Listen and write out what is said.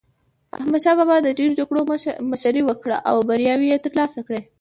احمد شاه بابا د ډېرو جګړو مشري وکړه او بریاوي یې ترلاسه کړې.